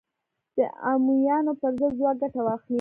د امویانو پر ضد ځواک ګټه واخلي